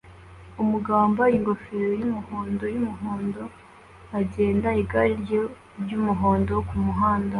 umugabo wambaye ingofero yumuhondo yumuhondo agenda igare rye ryumuhondo kumuhanda